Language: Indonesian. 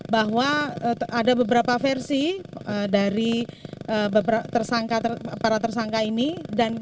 bahwa ada beberapa versi dari beberapa tersangka terpala tersangka ini dan